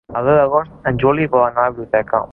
El deu d'agost en Juli vol anar a la biblioteca.